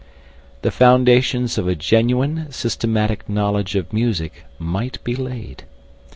The foundations of a genuine, systematic knowledge of music might be laid.